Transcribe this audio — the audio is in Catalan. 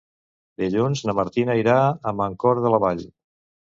Dilluns na Martina irà a Mancor de la Vall.